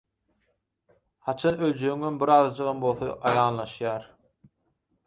haçan öljegiňem birazajygam bolsa aýanlaşýar.